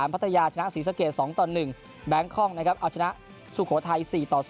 พัทยาชนะศรีสะเกียร์๒๑แบงคล่องเอาชนะสุโขทัย๔๒